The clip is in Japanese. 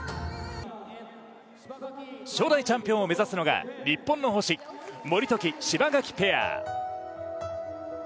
初代チャンピオンを目指すのは日本の星守時・柴垣ペア。